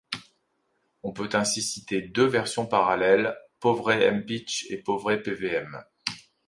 On peut ainsi citer deux versions parallèles Povray-mpich et Povray-pvm.